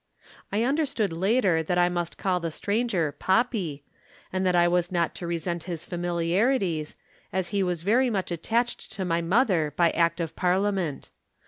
I understood later that I must call the stranger 'Poppy,' and that I was not to resent his familiarities, as he was very much attached to my mother by Act of Parliament.